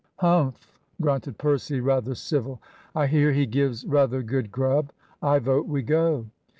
"Humph!" grunted Percy "rather civil I hear he gives rather good grub. I vote we go."